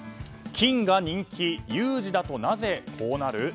金が人気有事だとなぜこうなる？